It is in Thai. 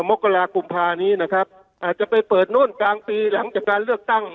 มกรากุมภานี้นะครับอาจจะไปเปิดโน่นกลางปีหลังจากการเลือกตั้ง